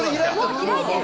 開いてる。